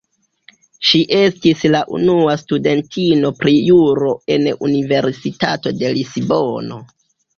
Ŝi estis la unua studentino pri Juro en Universitato de Lisbono.